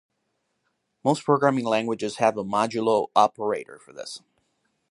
Most programming languages have a modulo operator for this.